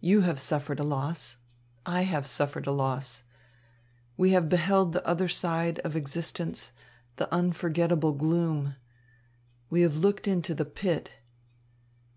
You have suffered a loss, I have suffered a loss. We have beheld the other side of existence, the unforgettable gloom. We have looked into the pit.